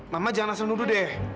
mama jangan asal nuduh deh